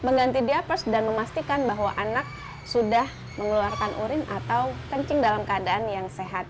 mengganti diapers dan memastikan bahwa anak sudah mengeluarkan urin atau kencing dalam keadaan yang sehat